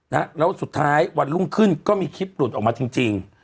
แล้วสุดท้ายวันรุ่งขึ้นก็มีคลิปหลุดออกมาจริงจริง